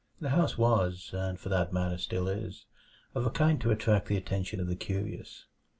The house was and for that matter still is of a kind to attract the attention of the curious.